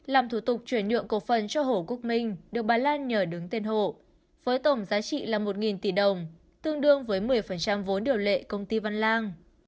làm thủ tục chuyển nhượng cổ phần cho hồ quốc minh được bà lan nhờ đứng tên hộ với tổng giá trị là một tỷ đồng tương đương với một mươi vốn điều lệ công ty văn lang